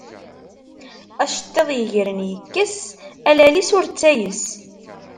Acettiḍ, yegren yekkes, a lall-is ur ttayes.